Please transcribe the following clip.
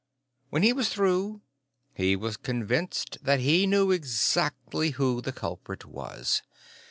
When he was through, he was convinced that he knew exactly who the culprit was.